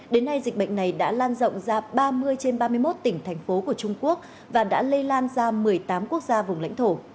đến nay dịch bệnh này đã lan rộng ra ba mươi trên ba mươi một tỉnh thành phố của trung quốc và đã lây lan ra một mươi tám quốc gia vùng lãnh thổ